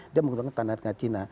dia menggunakan tanda tenaga cina